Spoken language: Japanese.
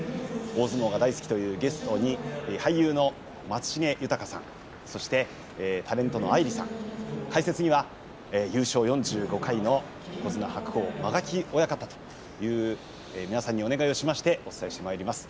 大相撲が大好きというゲスト俳優の松重豊さんそしてタレントのアイリさん解説には優勝４５回の横綱白鵬間垣親方という皆さんにお願いをしましてお伝えしてまいります。